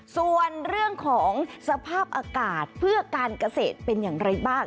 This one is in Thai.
ส่วนเรื่องของสภาพอากาศเพื่อการเกษตรเป็นอย่างไรบ้าง